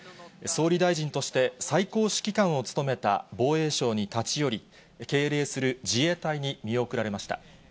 総理大臣として最高指揮官を務めた防衛省に立ち寄り、敬礼する自衛隊に見送られました。